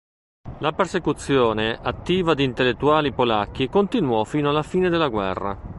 La persecuzione attiva di intellettuali polacchi continuò fino alla fine della guerra.